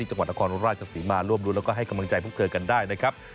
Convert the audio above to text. จังหวัดนครราชศรีมาร่วมรุ้นแล้วก็ให้กำลังใจพวกเธอกันได้นะครับ